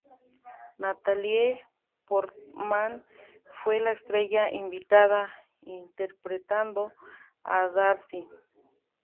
Natalie Portman fue la estrella invitada, interpretando a Darcy.